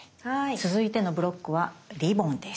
続いてのブロックはリボンです。